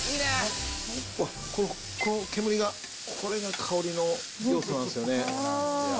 これ、この煙が、これが香りの強さなんですよね。